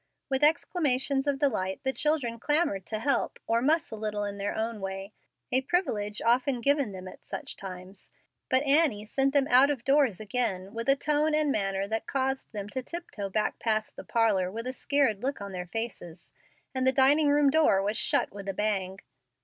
With exclamations of delight the children clamored to help, or "muss" a little in their own way, a privilege often given them at such times. But Annie sent them out of doors again with a tone and manner that caused them to tip toe back past the parlor with a scared look on their faces, and the dining room door was shut with a bang.